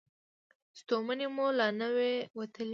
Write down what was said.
ستومني مو لا نه وه وتلې.